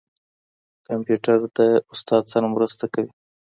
کمپيوټر د استاد سره مرسته کوي.